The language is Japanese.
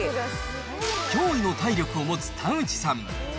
驚異の体力を持つ田口さん。